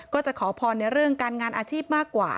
ก็จะขอพรในเรื่องการงานอาชีพมากกว่า